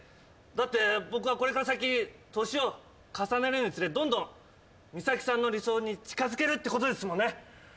だって僕はこれから先年を重ねるにつれどんどんミサキさんの理想に近づけるってことですもんね。